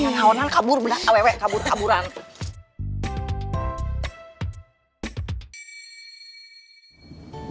ngaonan kabur beneran awewe kabur kaburan